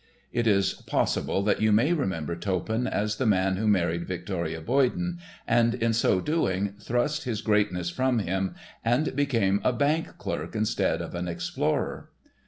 It is possible that you may remember Toppan as the man who married Victoria Boyden, and, in so doing, thrust his greatness from him and became a bank clerk instead of an explorer.